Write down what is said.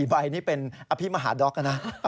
๔ใบนี่เป็นอภิมหาดรนะฮะ